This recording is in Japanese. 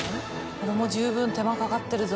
これも十分手間かかってるぞ。